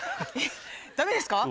ダメですか？